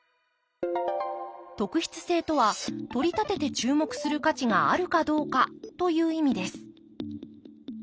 特筆性とはとりたてて注目する価値があるかどうかという意味です